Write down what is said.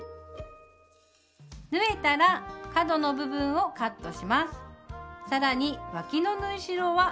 縫えたら角の部分をカットします。